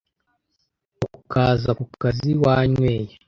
ukaza ku kazi wanyweye